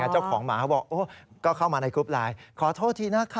เจ้าของหมาเขาบอกก็เข้ามาในกรุปไลน์